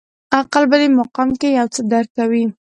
عقل په دې مقام کې یو څه درک کوي.